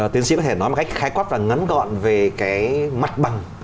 tiến sĩ có thể nói một cách khái quát và ngắn gọn về cái mặt bằng